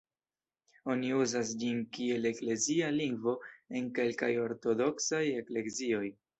Oni uzas ĝin kiel eklezia lingvo en kelkaj Ortodoksaj eklezioj.